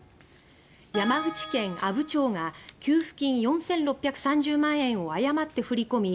山口県阿武町が給付金４６３０万円を誤って振り込み